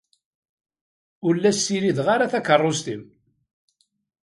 Ur la ssirideɣ ara takeṛṛust-im.